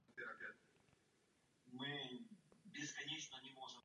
Ve své oblasti je uznávaným odborníkem.